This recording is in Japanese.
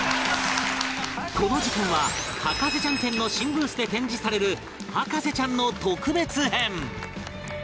この時間は「博士ちゃん展」の新ブースで展示される『博士ちゃん』の特別編